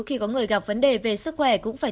khi có người gặp vấn đề về sức khỏe cũng phải